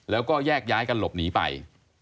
แล้วก็แยกย้ายกันหลบหนีไป